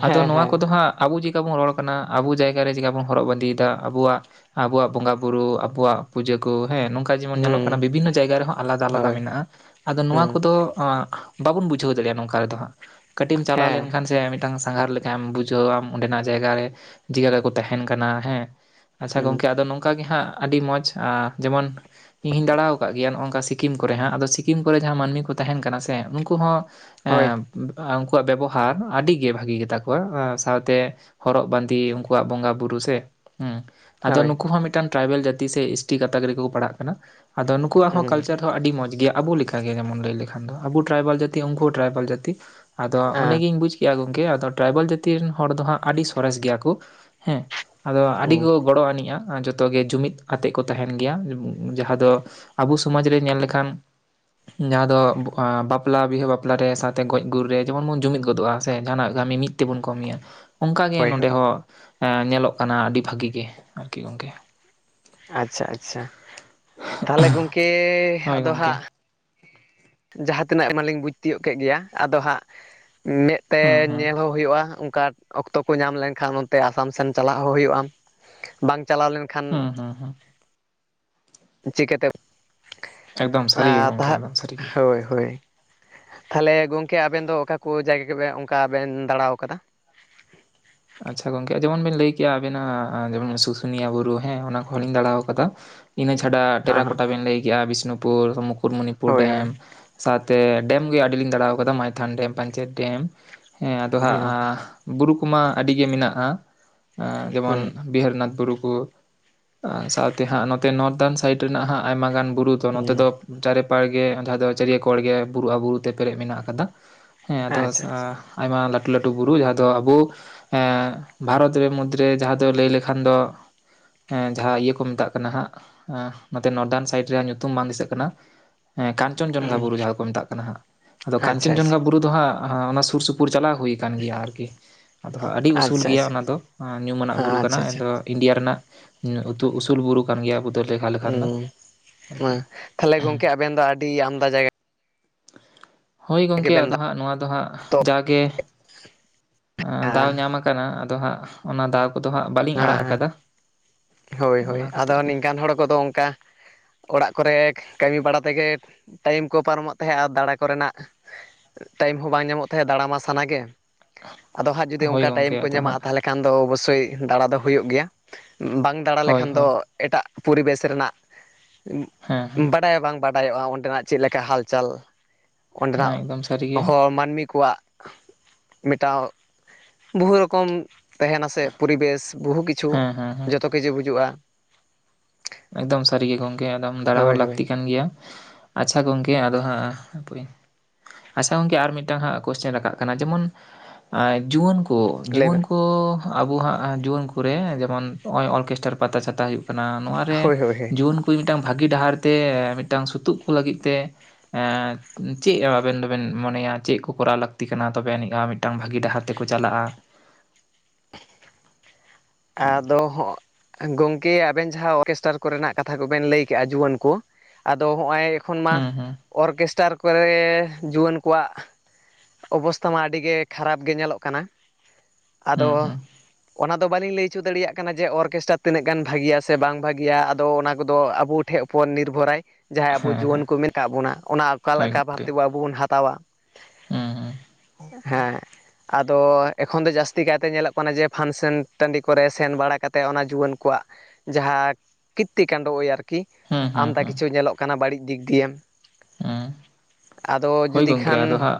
ᱟᱫᱚ ᱱᱚᱣᱟ ᱦᱮᱸ ᱠᱚᱫᱚ ᱦᱟᱸᱜ ᱟᱵᱚ ᱪᱮᱠᱟ ᱵᱚᱱ ᱨᱚᱲ ᱠᱟᱱᱟ ᱟᱵᱚ ᱡᱟᱭᱜᱟ ᱪᱮᱠᱟ ᱵᱚᱱ ᱦᱚᱨᱚᱜ ᱵᱟᱸᱫᱮ ᱮᱫᱟ ᱟᱵᱚᱣᱟᱜ ᱟᱵᱚᱣᱟᱜ ᱵᱚᱸᱜᱟ ᱵᱩᱨᱩ ᱟᱵᱚᱣᱟᱜ ᱯᱩᱡᱟᱹ ᱠᱚ ᱦᱮᱸ ᱱᱚᱝᱠ ᱠᱟ ᱡᱮᱢᱚᱱ ᱧᱮᱞᱚᱜ ᱦᱩᱸ ᱠᱟᱱᱟ ᱵᱤᱵᱷᱤᱱᱱᱚ ᱡᱟᱭᱜᱟ ᱨᱮᱦᱚᱸ ᱟᱞᱟᱫᱟ ᱟᱞᱟᱫᱟ ᱦᱳᱭ ᱢᱮᱱᱟᱜᱼᱟ ᱟᱫᱚ ᱱᱚᱣᱟ ᱦᱩᱸ ᱠᱚᱫᱚ ᱦᱚᱸ ᱵᱟᱵᱚᱱ ᱵᱩᱡᱷᱟᱹᱣ ᱫᱟᱲᱮᱭᱟᱜ ᱱᱚᱝᱠᱟ ᱨᱮᱫᱚ ᱦᱟᱸᱜ ᱠᱟᱹᱴᱤᱡ ᱮᱢ ᱪᱟᱞᱟᱣ ᱦᱮᱸ ᱞᱮᱱᱠᱷᱟᱱ ᱥᱮ ᱢᱤᱫᱴᱟᱝ ᱥᱟᱸᱜᱷᱟᱨ ᱞᱮᱠᱟᱢ ᱵᱩᱡᱷᱟᱹᱣ ᱟᱢ ᱚᱸᱰᱮᱱᱟᱜ ᱡᱟᱭᱜᱟ ᱨᱮ ᱪᱤᱠᱟ ᱠᱟᱛᱮ ᱠᱚ ᱛᱟᱦᱮᱱ ᱠᱟᱱᱟ ᱦᱮᱸ ᱟᱪᱪᱷᱟ ᱜᱚᱝᱠᱮ ᱦᱩᱸ ᱟᱫᱚ ᱱᱚᱝᱠᱟ ᱜᱮ ᱦᱟᱸᱜ ᱟᱹᱰᱤ ᱢᱚᱸᱡᱽ ᱡᱮᱢᱚᱱ ᱤᱧ ᱦᱚᱧ ᱫᱟᱬᱟ ᱟᱠᱟᱫ ᱜᱮᱭᱟ ᱱᱚᱝᱠᱮ ᱥᱤ ᱥᱤᱠᱤᱢ ᱠᱚᱨᱮ ᱦᱟᱸᱜ ᱟᱫᱚ ᱥᱤᱠᱤᱢ ᱠᱚᱨᱮ ᱡᱟᱦᱟᱸ ᱢᱟᱹᱱᱢᱤ ᱠᱚ ᱛᱟᱦᱮᱱ ᱠᱟᱱᱟ ᱥᱮ ᱩᱱᱠᱩ ᱦᱚᱸ ᱦᱳᱭ ᱮᱸ ᱩᱱᱠᱩᱣᱟᱜ ᱵᱮᱵᱚᱦᱟᱨ ᱟᱹᱰᱤ ᱜᱮ ᱵᱷᱟᱜᱤ ᱜᱮᱛᱟ ᱠᱚᱣᱟ ᱥᱟᱶᱛᱮ ᱦᱚᱨᱚᱜ ᱵᱟᱸᱫᱮ ᱩᱱᱠᱩᱣᱟᱜ ᱵᱚᱸᱜᱟ ᱵᱩᱨᱩ ᱥᱮ ᱦᱩᱸ ᱟᱫᱚ ᱦᱳᱭ ᱱᱩᱠᱩ ᱦᱚᱸ ᱢᱤᱫᱴᱟᱝ ᱴᱨᱟᱭᱵᱮᱞ ᱡᱟᱹᱛᱤ ᱥᱮ ᱮᱤᱥᱴᱤ ᱜᱟᱛᱟᱠ ᱨᱮᱜᱮ ᱠᱚ ᱯᱟᱲᱟᱜ ᱠᱟᱱᱟ ᱾ ᱟᱫᱚ ᱱᱩᱠᱩᱣᱟᱜ ᱦᱚᱸ ᱦᱩᱸ ᱠᱟᱞᱪᱟᱨ ᱦᱚᱸ ᱟᱹᱰᱤ ᱢᱚᱸᱡᱽ ᱜᱮᱭᱟ ᱾ ᱟᱵᱚ ᱞᱮᱠᱟᱜᱮ ᱡᱮᱢᱚᱱ ᱞᱟᱹᱭ ᱞᱮᱠᱷᱟᱱ ᱫᱚ ᱟᱵᱚ ᱴᱨᱟᱭᱵᱮᱞ ᱡᱟᱹᱛᱤ ᱩᱱᱠᱩ ᱴᱨᱟᱭᱵᱮᱞ ᱡᱟᱹᱛᱤ ᱟᱫᱚ ᱚᱸᱰᱮ ᱟᱸ ᱜᱤᱧ ᱵᱩᱡ ᱠᱮᱜᱼᱟ ᱜᱚᱢᱠᱮ ᱟᱫᱚ ᱴᱨᱟᱭᱵᱮᱞ ᱡᱟᱹᱛᱤ ᱨᱮᱱ ᱦᱚᱲ ᱫᱚ ᱦᱟᱸᱜ ᱟᱹᱰᱤ ᱥᱚᱨᱮᱥ ᱜᱮᱭᱟ ᱠᱚ ᱦᱮᱸ ᱟᱫᱚ ᱟᱹᱰᱤ ᱦᱩᱸ ᱠᱚ ᱜᱚᱲᱚ ᱟᱹᱱᱤᱡᱼᱟ ᱡᱚᱛ ᱛᱚ ᱜᱮ ᱡᱩᱢᱤᱫ ᱟᱛᱮ ᱠᱚ ᱛᱟᱦᱮᱱ ᱜᱮᱭᱟ ᱡᱟᱦᱟᱸ ᱫᱚ ᱟᱵᱚ ᱥᱚᱢᱟᱡᱽ ᱨᱮ ᱧᱮᱞ ᱞᱮᱠᱷᱟᱱ ᱡᱟᱦᱟᱸ ᱫᱚ ᱵᱟᱯᱞᱟ ᱵᱤᱦᱟᱹ ᱵᱟᱯ ᱵᱟᱯᱞᱟ ᱨᱮ ᱥᱟᱶᱛᱮ ᱜᱚᱡᱽ ᱜᱩᱨ ᱨᱮ ᱡᱮᱢᱚᱱ ᱵᱚᱱ ᱡᱩᱢᱤᱫ ᱜᱚᱫᱚᱜᱼᱟ ᱥᱮ ᱡᱟᱦᱟᱱᱟᱜ ᱠᱟᱹᱢᱤ ᱢᱤᱫ ᱛᱮᱵᱚᱱ ᱠᱟᱹᱢᱤᱭᱟ ᱾ ᱚᱱᱠᱟᱜ ᱜᱮ ᱦᱳᱭ ᱱᱚᱰᱮ ᱦᱳᱭ ᱦᱚᱸ ᱧᱮᱞᱚᱜ ᱠᱟᱱᱟ ᱟᱹᱰᱤ ᱵᱷᱟᱹᱜᱤ ᱜᱮ ᱟᱨᱠᱤ ᱜᱚᱝᱠᱮ ᱟᱪᱪᱷᱟ ᱟᱪᱪᱷᱟ ᱛᱟᱦᱚᱞᱮ ᱜᱚᱝᱠᱮ ᱦᱳᱭ ᱟᱫᱚ ᱜᱚᱝᱠᱮ ᱦᱟᱸᱜ ᱡᱟᱦᱟᱸ ᱛᱤᱱᱟᱹᱜ ᱟᱭᱢᱟᱞᱤᱧ ᱵᱩᱡᱽ ᱛᱤᱭᱳᱜ ᱠᱮᱫ ᱜᱮᱭᱟ ᱟᱫᱚ ᱦᱟᱸᱜ ᱢᱮᱫ ᱛᱮ ᱦᱩᱸ ᱦᱩᱸ ᱧᱮᱞ ᱦᱚᱸ ᱦᱤᱭᱳᱜᱼᱟ ᱚᱱᱠᱟ ᱚᱠᱛᱚ ᱠᱚ ᱧᱟᱢ ᱞᱮᱱᱠᱷᱟᱱ ᱚᱱᱛᱮ ᱟᱥᱟᱢ ᱥᱮᱱ ᱪᱟᱞᱟᱜ ᱦᱚᱸ ᱦᱩᱭᱩᱜᱼᱟ ᱵᱟᱝ ᱪᱟᱞᱟᱣ ᱞᱮᱱ ᱦᱩᱸ ᱦᱩᱸ ᱦᱩᱸ, ᱪᱤᱠᱟᱹᱛᱮ ᱮ ᱮᱠᱫᱚᱢ ᱥᱟᱹᱨᱤᱜᱮ ᱜᱚᱝᱠᱮ ᱛᱟᱦᱮᱜ ᱮᱠᱫᱚᱢ [inaudible] ᱥᱟᱹᱨᱤᱜᱮ ᱦᱳᱭ ᱦᱳᱭ ᱾ ᱛᱟᱦᱚᱞᱮ ᱜᱚᱝᱠᱮ ᱟᱵᱮᱱ ᱫᱚ ᱚᱠᱟ ᱠᱚ ᱡᱟᱭᱜᱟ ᱜᱮᱵᱮ ᱚᱱᱠᱟ ᱵᱮᱱ ᱫᱟᱬᱟᱣ ᱠᱟᱫᱟ? ᱟᱪᱪᱷᱟ ᱜᱚᱝᱠᱮ ᱡᱮᱢᱚᱱ ᱵᱮᱱ ᱞᱟᱹᱭ ᱠᱮᱜᱼᱟ ᱟᱵᱤᱱᱟᱜ ᱡᱮᱢᱚᱱ ᱥᱩᱥᱩᱱᱤᱭᱟᱹ ᱵᱩᱨᱩ ᱦᱮᱸ ᱚᱱᱟ ᱠᱚᱦᱚᱸ ᱞᱤᱧ ᱫᱟᱬᱟᱣ ᱠᱟᱫᱟ ᱾ ᱤᱱᱟᱹ ᱪᱷᱟᱰᱟ ᱦᱮᱸ ᱦᱮᱸ ᱴᱮᱨᱟᱠᱳᱴᱟ ᱵᱮᱱ ᱞᱟᱹᱭ ᱠᱮᱜᱼᱟ ᱵᱤᱥᱱᱩᱯᱩᱨ, ᱢᱩᱠᱩᱴᱢᱚᱱᱤᱯᱩᱨ, ᱦᱳᱭ ᱦᱳᱭ ᱰᱮᱢ ᱥᱟᱶᱛᱮ ᱰᱮᱢ ᱜᱮ ᱟᱹᱰᱤ ᱞᱤᱧ ᱫᱟᱬᱟᱣ ᱠᱟᱫᱟ ᱾ ᱢᱟᱭᱛᱷᱟᱱ ᱰᱮᱢ, ᱯᱟᱧᱪᱮᱛ ᱰᱮᱢ, ᱦᱮᱸ ᱟᱫᱚ ᱦᱟᱸᱜᱼᱟ ᱵᱩᱨᱩ ᱠᱚᱢᱟ ᱟᱹᱰᱤ ᱜᱮ ᱢᱮᱱᱟᱜᱼᱟ ᱡᱮᱢᱚᱱ ᱦᱩᱸ ᱵᱤᱦᱟᱹᱨᱤᱱᱟᱛᱷ ᱵᱩᱨᱩ, ᱠᱚ ᱥᱟᱶᱛᱮ ᱦᱟᱸᱜ ᱱᱚᱛᱮ ᱱᱚᱨᱫᱫᱟᱱ ᱥᱟᱭᱤᱰ ᱨᱮᱱᱟᱜ ᱦᱟᱸᱜ ᱟᱭᱢᱟ ᱜᱟᱱ ᱵᱩᱨᱩ ᱛᱚ ᱱᱚᱛᱮ ᱦᱩᱸ ᱫᱚ ᱪᱟᱨᱮᱯᱟᱲ ᱜᱮ ᱡᱟᱦᱟ ᱫᱚ ᱪᱟᱹᱨᱭᱟᱹ ᱠᱚᱬ ᱜᱮ ᱵᱩᱨᱩ ᱟᱨ ᱵᱩᱨᱩ ᱛᱮ ᱯᱮᱨᱮᱡ ᱢᱮᱱᱟᱜ ᱟᱠᱟᱫᱟ ᱾ ᱦᱮᱸ ᱟᱫᱚ ᱟᱪᱪᱷᱟ ᱟᱪᱪᱷᱟ ᱟᱭᱢᱟ ᱞᱟᱹᱴᱩ ᱞᱟᱹᱴᱩ ᱵᱩᱨᱩ ᱡᱟᱦᱟᱸ ᱫᱚ ᱟᱵᱚ ᱦᱮᱸ ᱵᱷᱟᱨᱚᱛ ᱨᱮ ᱢᱩᱫᱽᱨᱮ ᱡᱟᱦᱟᱸ ᱫᱚ ᱞᱟᱹᱭ ᱞᱮᱠᱷᱟᱱ ᱫᱚ ᱮᱸ ᱡᱟᱦᱟ ᱤᱭᱟᱹ ᱠᱚ ᱢᱮᱛᱟᱜ ᱠᱟᱱᱟ ᱦᱟᱸᱜ ᱮ ᱱᱚᱛᱮ ᱱᱚᱨᱫᱟᱱ ᱥᱟᱭᱤᱰ ᱨᱮᱭᱟᱜ ᱧᱩᱛᱩᱢ ᱵᱟᱝ ᱫᱤᱥᱟᱹᱜ ᱠᱟᱱᱟ ᱮᱸ ᱠᱟᱧᱪᱚᱱ ᱡᱚᱝᱜᱟ ᱵᱩᱨᱩ ᱡᱟᱦᱟᱸ ᱠᱚ ᱢᱮᱛᱟᱜ ᱠᱟᱱᱟ ᱦᱟᱜ ᱟᱫᱚ ᱠᱟᱧᱪᱚᱱ ᱟᱪᱪᱷᱟ ᱟᱪᱪᱷᱟ ᱡᱚᱝᱜᱟ ᱵᱩᱨᱩ ᱫᱚ ᱦᱟᱸᱜ ᱚᱱᱟ ᱥᱩᱨ ᱥᱩᱯᱩᱨ ᱪᱟᱞᱟᱣ ᱦᱩᱭ ᱠᱟᱱ ᱜᱮᱭᱟ ᱟᱨᱠᱤ ᱛᱷᱚ ᱟᱹᱰᱤ ᱩᱥᱩᱞ ᱟᱪᱪᱷᱟ ᱜᱮᱭᱟ ᱚᱱᱟ ᱫᱚ ᱧᱩᱢᱟᱱᱟᱜ ᱵᱩᱨᱩ ᱠᱟᱱᱟ ᱟᱪᱪᱷᱟ ᱟᱪᱪᱷᱟ ᱮᱱᱫᱚ ᱤᱱᱰᱤᱭᱟ ᱨᱮᱱᱟᱜ ᱩᱛᱩ ᱩᱥᱩᱞ ᱵᱩᱨᱩ ᱠᱟᱱ ᱜᱮᱭᱟ ᱟᱵᱩ ᱫᱚ ᱞᱮᱠᱷᱟᱱ ᱫᱚ ᱦᱩᱸ ᱟᱨᱠᱤ ᱛᱟᱦᱚᱞᱮ ᱜᱚᱝᱠᱮ ᱟᱵᱮᱱ ᱫᱚ ᱟᱹᱰᱤ ᱟᱢᱫᱟ ᱡᱟᱭᱜᱟ ᱦᱳᱭ ᱜᱚᱝᱠᱮ ᱜᱮᱵᱮᱱ ᱟᱫᱚ ᱦᱟᱸᱜ ᱱᱚᱣᱟ ᱫᱚ ᱦᱟᱸᱜ ᱡᱟᱜᱮ ᱫᱟᱣ ᱫᱟᱬᱟᱱᱟ᱾ ᱧᱟᱢ ᱟᱠᱟᱱᱟ ᱟᱫᱚ ᱦᱟᱸᱜ ᱚᱱᱟ ᱫᱟᱣ ᱠᱚᱫᱚ ᱦᱟᱸᱜ ᱵᱟᱹᱞᱤᱧ ᱟᱲᱟᱜ ᱦᱮᱸ ᱠᱟᱫᱟ ᱾ ᱦᱳᱭ ᱦᱳᱭ ᱟᱫᱚ ᱱᱤᱝᱠᱟᱱ ᱦᱚᱲ ᱠᱚᱫᱚ ᱚᱱᱠᱟ ᱚᱲᱟᱜ ᱠᱚᱨᱮ ᱠᱟᱹᱢᱤ ᱵᱟᱲᱟ ᱛᱮᱜᱮ ᱴᱟᱭᱤᱢ ᱠᱚ ᱯᱟᱨᱚᱢᱚᱜ ᱛᱟᱦᱮᱸᱱᱟ ᱟᱨ ᱫᱟᱬᱟ ᱠᱚᱨᱮᱱᱟᱜ ᱴᱟᱭᱤᱢ ᱦᱚᱸ ᱵᱟᱝ ᱧᱟᱢᱚᱜ ᱛᱟᱦᱮᱸᱫ ᱫᱟᱬᱟ ᱢᱟ ᱥᱟᱱᱟ ᱜᱮ ᱟᱫᱚ ᱦᱟᱸᱜ ᱡᱩᱫᱤ ᱦᱳᱭ ᱚᱱᱠᱟ ᱴᱟᱭᱤᱢ ᱜᱚᱢᱠᱮ ᱠᱚ ᱟᱫᱚ ᱦᱟᱸᱜ ᱧᱟᱢᱚᱜᱼᱟ ᱛᱟᱦᱚᱞᱮ ᱠᱷᱟᱱ ᱫᱚ ᱚᱵᱚᱥᱥᱳᱭ ᱫᱟᱬᱟ ᱫᱚ ᱦᱳᱭᱳᱜ ᱜᱮᱭᱟ ᱾ ᱵᱟᱝ ᱫᱟᱬᱟ ᱦᱳᱭ ᱞᱮᱠᱷᱟᱱ ᱫᱚ ᱦᱳᱭ ᱮᱴᱟᱜ ᱯᱚᱨᱤᱵᱮᱥ ᱨᱮᱱᱟᱜ ᱦᱮᱸ ᱦᱮᱸ ᱵᱟᱰᱟᱭ ᱵᱟᱝ ᱵᱟᱰ ᱵᱟᱰᱟᱭᱚᱜᱼᱟ ᱚᱸᱰᱮᱱᱟᱜ ᱪᱮᱫ ᱞᱮᱠᱟ ᱦᱟᱞᱪᱟᱞ ᱦᱮᱸ ᱚᱸᱰᱮᱱᱟᱜ ᱮᱠᱫᱚᱢ ᱥᱟᱹᱨᱤᱜᱮ ᱦᱚ ᱢᱟᱹᱱᱢᱤ ᱠᱚᱣᱟᱜ ᱢᱮᱴᱟᱣ ᱵᱩᱦᱩ ᱨᱚᱠᱚᱢ ᱛᱟᱦᱮᱸᱱᱟ ᱥᱮ ᱯᱚᱨᱤᱵᱮᱥ ᱵᱩᱦᱩ ᱠᱤᱪᱷᱩ ᱦᱩᱸ ᱦᱩᱸ ᱡᱚᱛᱚ ᱠᱤᱪᱷᱩ ᱵᱩᱡᱩᱜᱼᱟ᱾ ᱮᱠᱫᱚᱢ ᱥᱟᱹᱨᱤ ᱜᱮ ᱜᱚᱝᱠᱮ ᱮᱠᱫᱚᱢ ᱫᱟᱬᱟ ᱦᱳᱭ ᱦᱚᱸ ᱦᱳᱭ ᱞᱟᱹᱠᱛᱤ ᱠᱟᱱ ᱜᱮᱭᱟ᱾ ᱟᱪᱪᱷᱟ ᱜᱚᱝᱠᱮ ᱟᱫᱚ ᱦᱟᱸᱜ ᱦᱟᱯᱚᱭ ᱟᱪᱪᱷᱟ ᱜᱚᱝᱠᱮ ᱟᱨ ᱢᱤᱫᱴᱟᱝ ᱠᱚᱥᱪᱮᱱ ᱨᱟᱠᱟᱵ ᱠᱟᱱᱟ ᱡᱮᱢᱚᱱ ᱮ ᱡᱩᱣᱟᱹᱱ ᱠᱚ ᱞᱟᱹᱭ ᱡᱩᱣᱟᱹᱱ ᱵᱮᱱ ᱠᱚ ᱟᱵᱚ ᱦᱟᱸᱜ ᱡᱩᱣᱟᱹᱱ ᱠᱚᱨᱮ ᱡᱮᱢᱚᱱ ᱱᱚᱜᱼᱚᱭ ᱚᱨᱠᱮᱥᱴᱟᱨ ᱯᱟᱛᱟ ᱪᱷᱟᱛᱟ ᱦᱩᱭᱩᱜ ᱠᱟᱱᱟ ᱱᱚᱣᱟ ᱦᱳᱭ ᱦᱳᱭ ᱦᱳᱭ ᱡᱩᱣᱟᱹᱱ ᱠᱚ ᱢᱤᱫᱴᱟᱝ ᱵᱷᱟᱹᱜᱤ ᱰᱟᱦᱟᱨ ᱛᱮ ᱢᱤᱫᱴᱟᱝ ᱥᱩᱛᱩᱜ ᱠᱚ ᱞᱟᱹᱜᱤᱫ ᱛᱮ ᱮ ᱪᱮᱫ ᱟᱵᱮᱱ ᱫᱚᱵᱮᱱ ᱢᱚᱱᱮᱭᱟ ᱪᱮᱫ ᱠᱚ ᱠᱚᱨᱟᱣ ᱞᱟᱹᱠᱛᱤ ᱠᱟᱱᱟ ᱛᱚᱵᱮ ᱟᱹᱱᱤᱡᱼᱟ ᱢᱤᱫ ᱴᱟᱝ ᱵᱷᱟᱜᱤ ᱰᱟᱦᱟᱨ ᱛᱮᱠᱚ ᱪᱟᱞᱟᱜᱼᱟ? ᱟᱫᱚ ᱦᱚᱸᱜ, ᱜᱚᱝᱠᱮ ᱟᱵᱮᱱ ᱡᱟᱦᱟᱸ ᱚᱨᱠᱮᱥᱴᱟᱨ ᱠᱚᱨᱮᱱᱟᱜ ᱠᱟᱛᱷᱟ ᱠᱚᱵᱮᱱ ᱞᱟᱹᱭ ᱠᱮᱜᱼᱟ ᱡᱩᱣᱟᱹᱱ ᱠᱚ ᱟᱫᱚ ᱦᱚᱜ-ᱚᱭ ᱮᱠᱷᱚᱱ ᱢᱟ ᱦᱩᱸ ᱦᱩᱸ ᱚᱨᱠᱮᱥᱴᱟᱨ ᱠᱚᱨᱮ ᱡᱩᱣᱟᱹᱱ ᱠᱚᱣᱟᱜ ᱚᱵᱚᱥᱛᱷᱟ ᱢᱟ ᱟᱹᱰᱤ ᱜᱮ ᱠᱷᱟᱨᱟᱯ ᱜᱮ ᱧᱮᱞᱚᱜ ᱠᱟᱱᱟ ᱟᱫᱚ ᱦᱩᱸ ᱦᱩᱸ ᱚᱱᱟ ᱫᱚ ᱵᱟᱞᱤᱧ ᱞᱟᱹᱭ ᱚᱪᱚ ᱫᱟᱲᱮᱭᱟᱜ ᱠᱟᱱᱟ ᱡᱮ ᱚᱨᱠᱮᱥᱴᱨᱟ ᱛᱤᱱᱟᱹᱜ ᱜᱟᱱ ᱵᱷᱟᱜᱤᱭᱟ ᱥᱮ ᱵᱟᱝ ᱵᱷᱟᱜᱤᱭᱟ ᱟᱫᱚ ᱚᱱᱟ ᱠᱚᱫᱚ ᱟᱵᱚ ᱴᱷᱮᱡ ᱩᱯᱚᱨ ᱱᱤᱨᱵᱷᱚᱨᱟᱭ ᱡᱟᱦᱟᱸᱭ ᱟᱵᱚ ᱦᱮᱸ ᱦᱮᱸ ᱡᱩᱣᱟᱹᱱ ᱠᱚ ᱢᱮᱱ ᱠᱟᱜ ᱵᱚᱱᱟ ᱚᱱᱟ ᱚᱠᱟ ᱦᱳᱭ ᱞᱮᱠᱟ ᱵᱷᱟᱵ ᱜᱚᱝᱠᱮ ᱛᱮ ᱟᱵᱚ ᱵᱚᱱ ᱦᱟᱛᱟᱣᱟ᱾ ᱦᱩᱸ ᱦᱩᱸ ᱦᱮᱸ ᱟᱫᱚ ᱮᱠᱷᱚᱱ ᱫᱚ ᱡᱟᱹᱥᱛᱤ ᱠᱟᱭᱛᱮ ᱧᱮᱞᱚᱜ ᱠᱟᱱᱟ ᱡᱮ ᱯᱷᱟᱱᱥᱮᱱ ᱴᱟᱺᱰᱤ ᱠᱚᱨᱮ ᱥᱮᱱ ᱵᱟᱲᱟ ᱠᱟᱛᱮᱫ ᱚᱱᱟ ᱡᱩᱣᱟᱹᱱ ᱠᱚᱣᱟᱜ ᱡᱟᱦᱟᱸ ᱠᱤᱛᱛᱤ ᱠᱟᱱᱰᱚ ᱳᱭ ᱟᱨᱠᱤ᱾ ᱠᱤ ᱦᱩᱸ ᱦᱩᱸ ᱟᱢᱫᱟ ᱦᱩᱸ ᱠᱤᱪᱷᱩ ᱧᱮᱞᱚᱜ ᱠᱟᱱᱟ ᱵᱟᱹᱲᱤᱡ ᱫᱤᱠ ᱫᱤᱭᱮ᱾ ᱦᱩᱸ, ᱟᱫᱚ ᱦᱳᱭ ᱡᱩᱫᱤ ᱜᱚᱝᱠᱮ ᱟᱫᱚ ᱠᱷᱟᱱ ᱦᱟᱸᱜ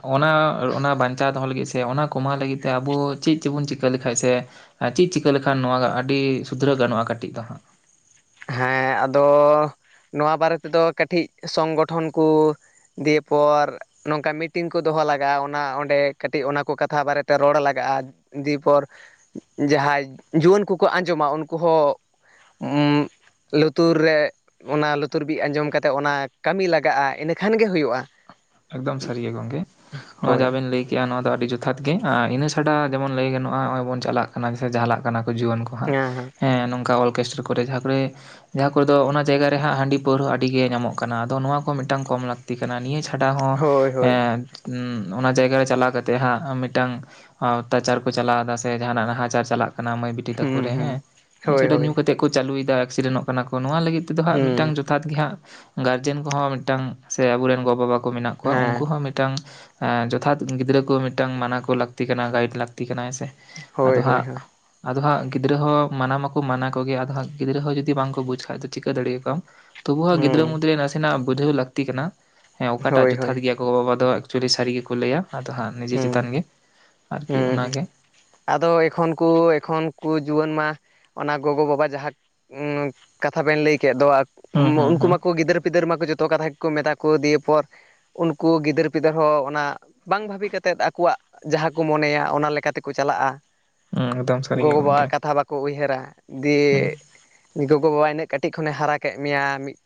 ᱚᱱᱟ ᱵᱟᱧᱪᱟᱣ ᱫᱚᱦᱚ ᱞᱟᱹᱜᱤᱫ ᱥᱮ ᱚᱱᱟ ᱠᱚᱢᱟᱣ ᱞᱟᱹᱜᱤᱫ ᱛᱮ ᱟᱵᱚ ᱪᱮᱫ ᱪᱮᱫ ᱵᱚᱱ ᱪᱤᱠᱟᱹ ᱞᱮᱠᱷᱟᱡ ᱥᱮ ᱪᱮᱫ ᱪᱤᱠᱟᱹ ᱞᱮᱠᱷᱟᱱ ᱱᱚᱣᱟ ᱟᱹᱰᱤ ᱥᱩᱫᱷᱨᱟᱹᱣ ᱜᱟᱱᱚᱜᱼᱟ ᱠᱟᱹᱴᱤᱡ ᱫᱚ ᱦᱟᱸᱜ ᱦᱮᱸ ᱟᱫᱚ ᱱᱚᱣᱟ ᱵᱟᱨᱮ ᱛᱮᱫᱚ ᱠᱟᱹᱴᱤᱡ ᱥᱚᱝᱜᱚᱴᱷᱚᱱ ᱠᱚ ᱫᱤᱭᱮ ᱯᱚᱨ ᱱᱚᱝᱠᱟ ᱢᱤᱴᱤᱱ ᱠᱚ ᱫᱚᱦᱚ ᱞᱟᱜᱟᱜᱼᱟ ᱚᱱᱟ ᱚᱸᱰᱮ ᱠᱟᱹᱴᱤᱜ ᱚᱱᱟ ᱠᱚ ᱠᱟᱛᱷᱟ ᱵᱟᱨᱮᱛᱮ ᱨᱚᱲ ᱞᱟᱜᱟᱜᱼᱟ ᱫᱤᱭᱯᱚᱨ ᱡᱟᱦᱟᱸᱭ ᱡᱩᱣᱟᱹᱱ ᱠᱚᱠᱚ ᱟᱸᱡᱚᱢᱟ ᱩᱱᱠᱩ ᱦᱚᱸ ᱞᱩᱛᱩᱨ ᱨᱮ ᱚᱱᱟ ᱞᱩᱛᱩᱨ ᱵᱤᱜ ᱟᱸᱡᱚᱢ ᱠᱟᱛᱮᱜ ᱚᱱᱟ ᱠᱟᱹᱢᱤ ᱞᱟᱜᱟᱜᱼᱟ᱾ ᱤᱱᱮ‌ ᱠᱷᱟᱱ ᱜᱮ ᱦᱳᱭᱳᱜᱼᱟ ᱾ ᱮᱠᱫᱚᱢ ᱥᱟᱹᱨᱤ ᱜᱮ ᱜᱚᱝᱠᱮ ᱱᱚᱣᱟ ᱦᱳᱭ ᱡᱟᱵᱮᱱ ᱞᱟᱹᱭ ᱠᱮᱜᱼᱟ ᱱᱚᱣᱟ ᱫᱚ ᱟᱹᱰᱤ ᱡᱚᱛᱷᱟᱛ ᱜᱮ ᱟᱨ ᱤᱱᱟᱹ ᱪᱷᱟᱰᱟ ᱡᱮᱢᱚᱱ ᱞᱟᱹᱭ ᱜᱟᱱᱚᱜᱼᱟ ᱱᱚᱜᱼᱚᱭ ᱵᱚᱱ ᱪᱟᱞᱟᱜ ᱠᱟᱱᱟ ᱥᱮ ᱡᱟᱦᱟᱞᱟᱜ ᱠᱟᱱᱟ ᱠᱚ ᱡᱩᱣᱟᱹᱱ ᱠᱚ ᱦᱟᱸᱜ ᱦᱮᱸ ᱦᱮᱸ ᱱᱚᱝᱠᱟ ᱚᱨᱠᱮᱥᱴᱟᱨ ᱠᱚᱨᱮ ᱡᱟᱦᱟᱸ ᱠᱚᱨᱮ ᱡᱟᱦᱟᱸ ᱠᱚᱨᱮᱫᱚ ᱚᱱᱟ ᱡᱟᱭᱜᱟ ᱨᱮ ᱦᱟᱸᱜ ᱦᱟᱺᱰᱤ ᱯᱟᱹᱣᱨᱟᱹ ᱟᱹᱰᱤ ᱜᱮ ᱧᱟᱢᱚᱜ ᱠᱟᱱᱟ ᱟᱫᱚ ᱱᱚᱣᱟ ᱠᱚ ᱢᱤᱫᱴᱟᱝ ᱠᱚᱢ ᱞᱟᱹᱠᱛᱤ ᱠᱟᱱᱟ ᱱᱤᱭᱟᱹ ᱪᱷᱟ ᱪᱷᱟᱰᱟ ᱦᱚᱸ ᱦᱳᱭ ᱮ ᱦᱳᱭ ᱚᱱᱟ ᱡᱟᱭᱜᱟ ᱨᱮ ᱪᱟᱞᱟᱣ ᱠᱟᱛᱮᱜ ᱦᱟᱸᱜ ᱢᱤᱜᱴᱟᱝ ᱚᱛᱛᱟᱪᱟᱨ ᱠᱚ ᱪᱟᱞᱟᱣᱮᱫᱟ ᱥᱮ ᱡᱟᱦᱟᱱᱟᱜ ᱱᱟᱦᱟᱪᱟᱨ ᱪᱟᱞᱟᱜ ᱠᱟᱱᱟ ᱢᱟᱹᱭ ᱵᱤᱴᱤ ᱛᱟᱠᱚ ᱦᱩᱸ ᱨᱮ ᱦᱩᱸ ᱦᱮᱸ ᱱᱤᱭᱟᱹ ᱦᱳᱭ ᱪᱷᱟᱰᱟ ᱦᱳᱭ ᱧᱩ ᱠᱟᱛᱮ ᱠᱚ ᱪᱟᱹᱞᱩᱭᱫᱟ ᱮᱠᱥᱤᱰᱮᱱᱚᱜ ᱠᱟᱱᱟ ᱠᱚ ᱱᱚᱣᱟ ᱞᱟᱹᱜᱤᱫ ᱛᱮᱫᱚ ᱦᱟᱸᱜ ᱦᱩᱸ ᱢᱤᱫᱴᱟᱝ ᱡᱚᱛᱷᱟᱛ ᱜᱮ ᱦᱟᱸᱜ ᱜᱟᱨᱡᱮᱱ ᱠᱚᱦᱚᱸ ᱢᱤᱫᱴᱟᱝ ᱥᱮ ᱟᱵᱚᱨᱮᱱ ᱜᱚ-ᱵᱟᱵᱟ ᱠᱚ ᱢᱮᱱᱟᱜ ᱠᱚᱣᱟ ᱩᱝᱠᱩ ᱦᱮᱸ ᱦᱚᱸ ᱢᱤ ᱴᱟᱝ ᱮ ᱡᱚᱛᱷᱟᱛ ᱜᱤᱫᱽᱨᱟᱹ ᱠᱚ ᱢᱤᱫᱴᱟᱝ ᱢᱟᱱᱟ ᱠᱚ ᱞᱟᱹᱠᱛᱤ ᱠᱟᱱᱟ ᱜᱟᱭᱤᱰ ᱞᱟᱹᱠᱛᱤ ᱠᱟᱱᱟ ᱦᱮᱸ ᱥᱮ, ᱦᱳᱭ ᱟᱫᱚ ᱦᱳᱭ ᱦᱟᱸᱜ ᱦᱳᱭ ᱟᱫᱚ ᱦᱟᱸᱜ ᱜᱤᱫᱽᱨᱟᱹ ᱦᱚᱸ ᱢᱟᱱᱟ ᱢᱟᱠᱚ ᱢᱟᱱᱟ ᱠᱚᱜᱮᱭᱟ ᱟᱫᱚ ᱦᱟᱜ ᱜᱤᱫᱽᱨᱟᱹ ᱦᱚᱸ ᱡᱚᱫᱤ ᱵᱟᱝᱠᱚ ᱵᱩᱡᱽ ᱠᱷᱟᱡ ᱫᱚ ᱪᱤᱠᱟᱹ ᱫᱟᱲᱮᱭᱟ ᱠᱚᱣᱟᱢ᱾ ᱛᱚᱵᱩ ᱦᱚᱸ ᱜᱤᱫᱽᱨᱟᱹ ᱦᱩᱸ ᱢᱩᱫᱽᱨᱮ ᱱᱟᱥᱮᱱᱟᱜ ᱵᱩᱡᱷᱟᱹᱣ ᱞᱟᱹᱠᱛᱤ ᱠᱟᱱᱟ ᱦᱮᱸ ᱚᱠᱟᱴᱟᱜ ᱦᱳᱭ ᱦᱳᱭ ᱡᱚᱛᱷᱟᱛ ᱜᱮᱭᱟ ᱜᱚ-ᱵᱟᱵᱟ ᱫᱚ ᱮᱠᱪᱩᱭᱮᱞᱤ ᱥᱟᱹᱨᱤ ᱜᱮᱠᱚ ᱞᱟᱹᱭᱟ ᱟᱫᱚ ᱦᱟᱸᱜ ᱱᱤᱡᱮ ᱦᱩᱸ ᱪᱮᱛᱟᱱ ᱜᱮ ᱟᱨᱠᱤ ᱦᱩᱸ ᱚᱱᱟᱜᱮ ᱟᱫᱚ ᱮᱠᱷᱚᱱ ᱠᱚ ᱮᱠᱷᱚᱱ ᱠᱚ ᱡᱩᱣᱟᱹᱱ ᱢᱟ ᱚᱱᱟ ᱜᱚᱜᱚ-ᱵᱟᱵᱟ ᱡᱟᱦᱟᱸ ᱠᱟᱛᱷᱟ ᱵᱮᱱ ᱞᱟᱹᱭ ᱠᱮᱜ ᱫᱚ ᱦᱩᱸ ᱦᱩᱸ ᱩᱝᱠᱩ ᱦᱩᱸ ᱢᱟᱠᱚ ᱜᱤᱫᱟᱹᱨᱟᱹ ᱯᱤᱫᱟᱹᱨ ᱢᱟ ᱠᱚ ᱡᱚᱛᱚ ᱠᱟᱛᱷᱟ ᱜᱮᱠᱚ ᱢᱮᱛᱟ ᱠᱚ ᱫᱤᱭᱮ ᱯᱚᱨ ᱩᱱᱠᱩ ᱜᱤᱫᱟᱹᱨ ᱯᱤᱫᱟᱹᱨ ᱦᱚᱸ ᱚᱱᱟ ᱵᱟᱝ ᱵᱷᱟᱹᱵᱤ ᱠᱟᱛᱮᱫ ᱟᱠᱚᱣᱟᱜ ᱡᱟᱦᱟᱸ ᱠᱚ ᱢᱚᱱᱮᱭᱟ ᱚᱱᱟ ᱞᱮᱠᱟ ᱛᱮᱠᱚ ᱪᱟᱞᱟᱜᱼᱟ ᱮᱠᱫᱚᱢ ᱥᱟᱹᱨᱤ ᱜᱮ ᱜᱚᱢᱠᱮ ᱜᱚᱜᱚᱼᱵᱟᱣᱟᱜ ᱠᱟᱛᱷᱟ ᱵᱟᱠᱚ ᱩᱭᱦᱟᱹᱨᱟ ᱦᱩᱸ ᱫᱤᱭᱮ ᱜᱚᱜᱚ-ᱵᱟᱵᱟ ᱤᱱᱟᱹᱜ ᱠᱟᱹᱴᱤᱜ ᱠᱷᱚᱱᱮ ᱦᱟᱨᱟ ᱠᱮᱜ ᱢᱮᱭᱟ ᱢᱤᱫᱴᱟᱝ